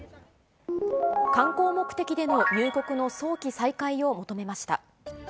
観光目的での入国の早期再開を求めました。